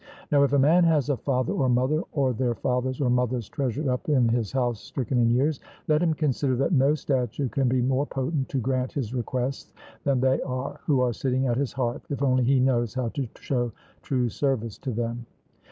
Now, if a man has a father or mother, or their fathers or mothers treasured up in his house stricken in years, let him consider that no statue can be more potent to grant his requests than they are, who are sitting at his hearth, if only he knows how to show true service to them.